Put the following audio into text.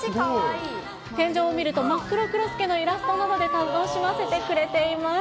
天井を見ると、マックロクロスケのイラストなどで楽しませてくれています。